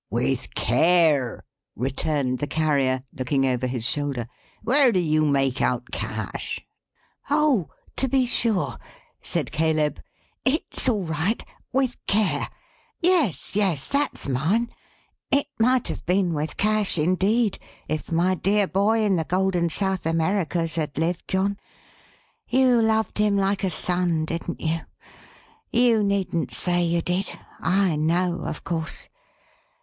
"With Care," returned the Carrier, looking over his shoulder. "Where do you make out cash?" "Oh! To be sure!" said Caleb. "It's all right. With care! Yes, yes; that's mine. It might have been with cash, indeed, if my dear Boy in the Golden South Americas had lived, John. You loved him like a son; didn't you? You needn't say you did. I know, of course.